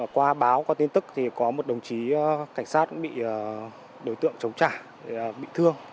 qua báo qua tin tức thì có một đồng chí cảnh sát bị đối tượng chống trả bị thương